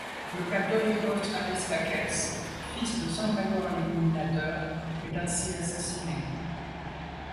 Le Catholicos Aristakès, fils de saint Grégoire l'Illuminateur, est ainsi assassiné.